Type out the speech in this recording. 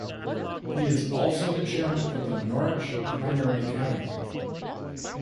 He is also the chairman of Norwich Primary Academy.